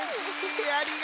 ありがとうね。